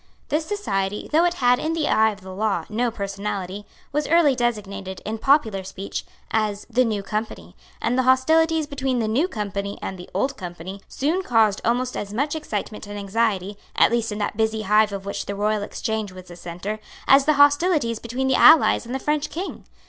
This society, though it had, in the eye of the law, no personality, was early designated, in popular speech, as the New Company; and the hostilities between the New Company and the Old Company soon caused almost as much excitement and anxiety, at least in that busy hive of which the Royal Exchange was the centre, as the hostilities between the Allies and the French King.